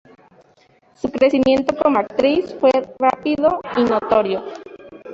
Su crecimiento como actriz fue rápido y notorio.